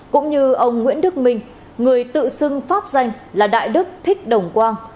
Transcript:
cũng như ông nguyễn đức minh người tự xưng pháp danh là đại đức thích đồng quang